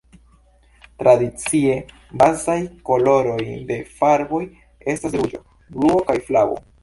Tradicie, bazaj koloroj de farboj estas ruĝo, bluo kaj flavo.